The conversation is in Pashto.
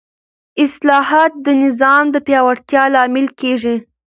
اصلاحات د نظام د پیاوړتیا لامل کېږي